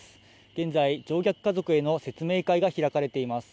現在、乗客家族への説明会が開かれています。